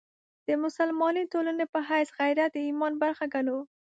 د مسلمانې ټولنې په حیث غیرت د ایمان برخه ګڼو.